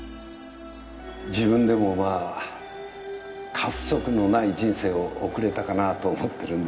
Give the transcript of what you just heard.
自分でもまあ過不足のない人生を送れたかなと思ってるんです。